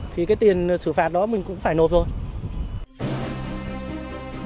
thì cái tiền xử phạt đó mình cũng phải nộp thôi